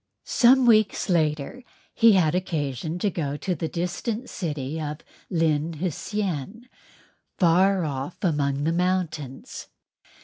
Some weeks later he had occasion to go to the distant city of Lin Hsien far off among the mountains.